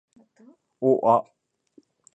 を―あ